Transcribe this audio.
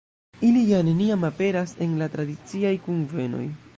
Ili ja neniam aperas en la tradiciaj kunvenoj.